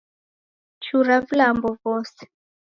Chura vilambo vose